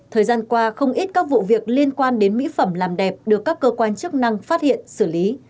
thời gian qua không ít các vụ việc liên quan đến mỹ phẩm làm đẹp được các cơ quan chức năng phát hiện xử lý